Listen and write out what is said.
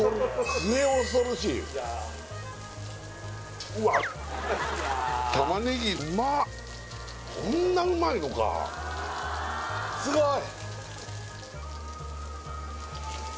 末恐ろしいうわっ玉ねぎうまっこんなうまいのかすごい！